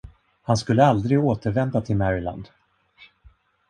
Han skulle aldrig återvända till Maryland.